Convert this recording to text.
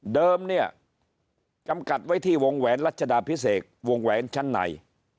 เดิมเนี่ยจำกัดไว้ที่วงแหวนรัชดาพิเศษวงแหวนชั้นใน